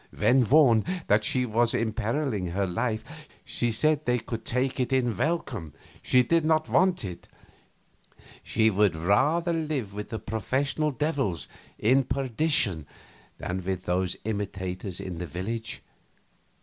When warned that she was imperiling her life, she said they could take it in welcome, she did not want it, she would rather live with the professional devils in perdition than with these imitators in the village.